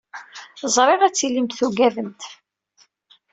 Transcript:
Ẓriɣ ad tilimt tugademt.